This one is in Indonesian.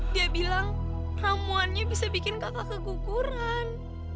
dia bilang ramuannya bisa bikin kakak keguguran